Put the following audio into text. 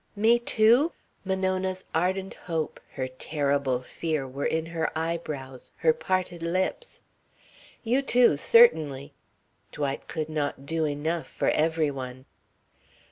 "Me too?" Monona's ardent hope, her terrible fear were in her eyebrows, her parted lips. "You too, certainly." Dwight could not do enough for every one.